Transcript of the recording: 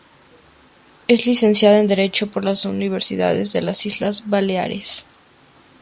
Es licenciada en Derecho por la Universidad de las Islas Baleares.